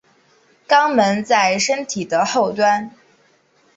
肛门在身体的后端。